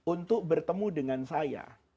untuk bertemu dengan saya